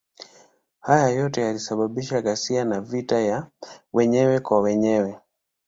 Hayo yote yalisababisha ghasia na vita ya wenyewe kwa wenyewe.